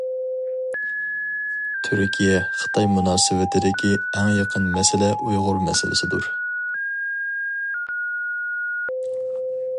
تۈركىيە خىتاي مۇناسىۋىتىدىكى ئەڭ قىيىن مەسىلە ئۇيغۇر مەسىلىسىدۇر.